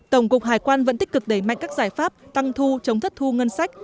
tổng cục hải quan vẫn tích cực đẩy mạnh các giải pháp tăng thu chống thất thu ngân sách